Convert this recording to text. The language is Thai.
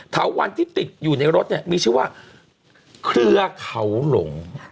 ถาวันที่ติดอยู่ในรถเนี่ยมีชื่อว่าเครือเขาหลง